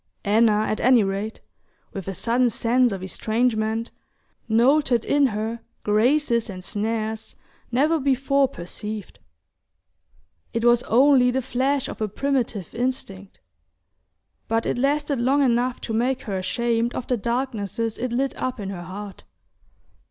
Anna, at any rate, with a sudden sense of estrangement, noted in her graces and snares never before perceived. It was only the flash of a primitive instinct, but it lasted long enough to make her ashamed of the darknesses it lit up in her heart...